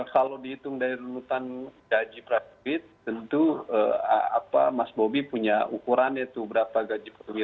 kalau dihitung dari renutan gaji praktik tentu mas bobi punya ukuran yaitu berapa gaji peduli